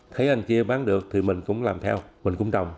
thấy anh kia bán được thì mình cũng làm theo mình cũng trồng